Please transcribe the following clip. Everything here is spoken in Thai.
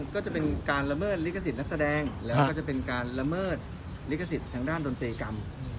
ก็จะเป็นการละเมิดลิขสิทธิ์นักแสดงแล้วก็จะเป็นการละเมิดลิขสิทธิ์ทางด้านดนตรีกรรม